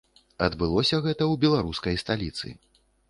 Адбылося гэта ў беларускай сталіцы.